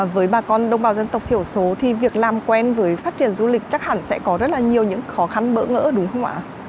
với bà con đồng bào dân tộc thiểu số thì việc làm quen với phát triển du lịch chắc hẳn sẽ có rất là nhiều những khó khăn bỡ ngỡ đúng không ạ